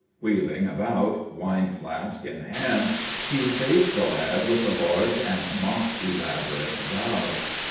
Wheeling about, wine flask in hand, he faced the lad with a large and mock elaborate bow.